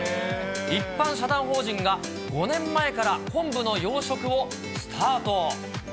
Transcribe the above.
一般社団法人が５年前から昆布の養殖をスタート。